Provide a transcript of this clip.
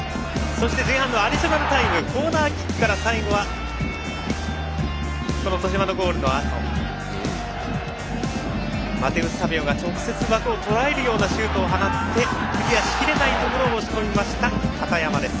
前半のアディショナルタイムコーナーキックからマテウス・サヴィオが直接、枠をとらえるようなシュートを放ってクリアしきれないところを押し切りました、片山です。